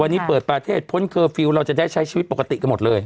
วันนี้เปิดประเทศพ้นเคอร์ฟิลล์เราจะได้ใช้ชีวิตปกติกันหมดเลย